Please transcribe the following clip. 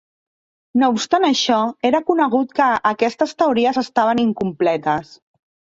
No obstant això, era conegut que aquestes teories estaven incompletes.